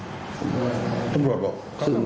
พี่ชายก็พูดว่าไงพี่ชายก็พูดว่าไง